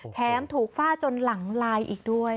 แถมถูกฟาดจนหลังลายอีกด้วย